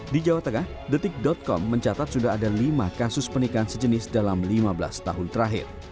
di jawa tengah detik com mencatat sudah ada lima kasus pernikahan sejenis dalam lima belas tahun terakhir